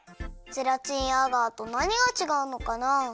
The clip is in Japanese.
ゼラチンやアガーとなにがちがうのかな？